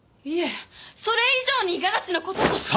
いえそれ以上に五十嵐のことも。